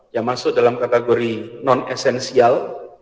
yang masuk dalam kategori non esensial